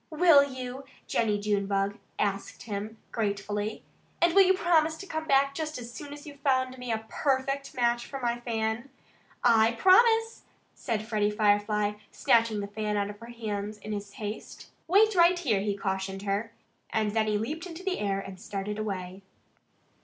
"Will you?" Jennie Junebug asked him gratefully. "And will you promise to come back just as soon as you've found me a PERFECT match for my fan?" "I promise!" said Freddie Firefly, snatching the fan out of her hands in his haste. "Wait right here!" he cautioned her. And then he leaped into the air and started away.